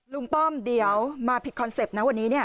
ลุงป้อมเดี๋ยวมาผิดคอนเซ็ปต์นะวันนี้